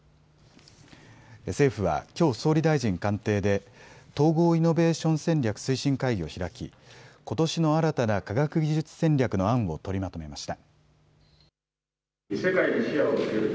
政府はきょう総理大臣官邸で統合イノベーション戦略推進会議を開きことしの新たな科学技術戦略の案を取りまとめました。